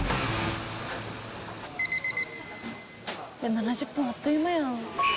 ７０分あっという間やん。